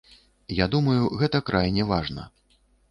Я думаю, гэта крайне важна.